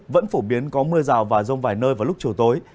vẫn phổ biến có mưa rào và rông vài nơi vào lúc chiều tối